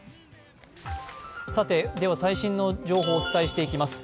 では、最新の情報をお伝えしていきます。